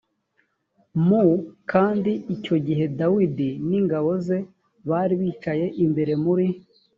m kandi icyo gihe dawidi n ingabo ze bari bicaye imbere muri